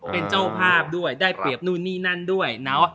เป็นเจ้าภาพด้วยได้เปรียบนู่นนี่นั่นด้วยเนาะ